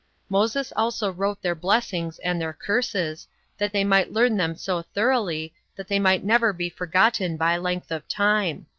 Moses also wrote their blessings and their curses, that they might learn them so thoroughly, that they might never be forgotten by length of time.